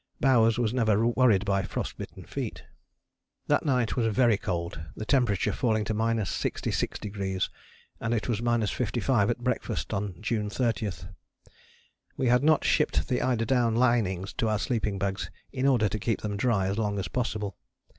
Bowers was never worried by frost bitten feet. That night was very cold, the temperature falling to 66°, and it was 55° at breakfast on June 30. We had not shipped the eider down linings to our sleeping bags, in order to keep them dry as long as possible.